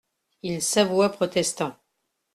Il s'avoua protestant.